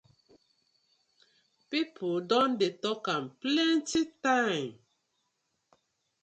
Pipu don tok am plenty time.